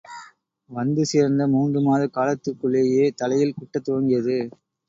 வந்து சேர்ந்த மூன்று மாத காலத்திற்குள்ளேயே தலையில் குட்டத் துவங்கியது.